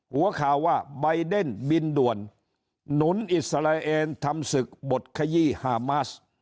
หัวข่าวว่าใบเดนบินด่วนหนุนอิสราเอลทำศึกบดขยี้ฮามาส